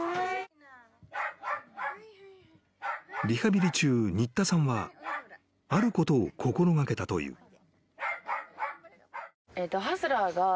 ［リハビリ中新田さんはあることを心掛けたという］